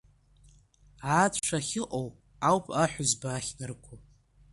Ацә ахьыҟоу ауп аҳәызба ахьнарго.